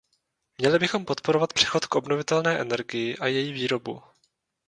Měli bychom podporovat přechod k obnovitelné energii a její výrobu.